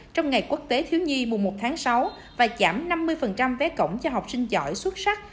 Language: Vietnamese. trong ngày quốc tế thiếu nhi mùng một tháng sáu và giảm năm mươi vé cổng cho học sinh giỏi xuất sắc